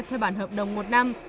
theo bản hợp đồng một năm